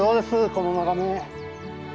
この眺め。